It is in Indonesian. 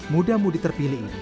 mudah mudih terpilih ini